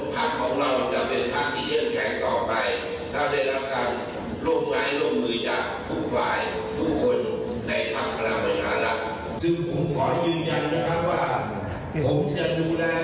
กลับไปทางนักศิลป์ไปตลอดชีวิตที่ผมมีชีวิต